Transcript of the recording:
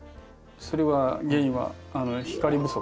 それは原因は光不足で。